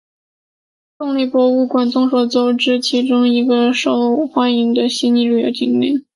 动力博物馆众所周知是其中一个受欢迎的悉尼旅游景点。